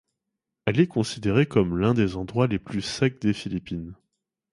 Elle est considérée comme l'un des endroits les plus secs des Philippines.